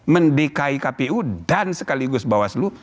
mendekai kpu dan sekaligus bawaslu